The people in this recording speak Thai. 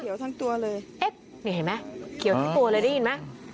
เห็นไหมเขียวทั้งตัวเลยได้ยินไหม